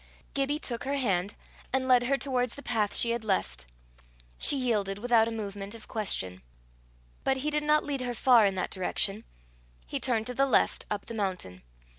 Gibbie took her hand, and led her towards the path she had left; she yielded without a movement of question. But he did not lead her far in that direction; he turned to the left up the mountain.